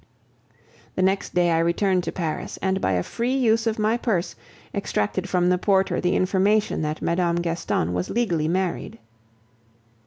The next day I returned to Paris, and by a free use of my purse extracted from the porter the information that Mme. Gaston was legally married.